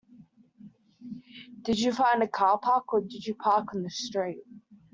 Did you find a car park, or did you park on the street?